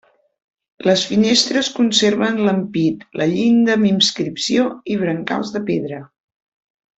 Les finestres conserven l'ampit, la llinda amb inscripció i brancals de pedra.